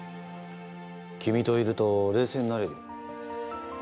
君といると冷静になれるよ。